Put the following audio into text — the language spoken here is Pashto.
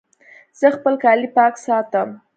زه خپل کالي پاک ساتم